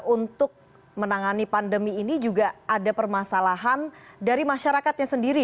untuk menangani pandemi ini juga ada permasalahan dari masyarakatnya sendiri